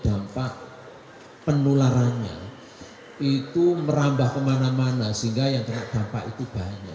dampak penularannya itu merambah kemana mana sehingga yang terkena dampak itu banyak